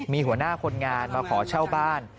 มีหัวหน้าคนงานมาขอเช่าบ้าน